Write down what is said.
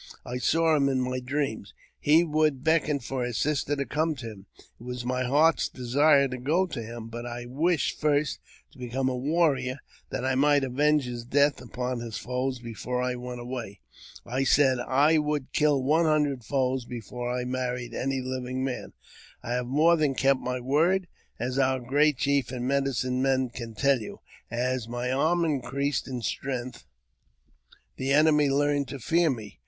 I saw him in* my dreams. He would beckon for his sister to come to him. It was my heart's desire to go to him, but I wished first to become a warrior, that I might avenge his death upon his foes before I went away. " I said I would kill one hundred foes before I married any living man. I have more than kept my word, as our great chief and medicine men can tell you. As my arm increased in strength, the enemy learned to fear me.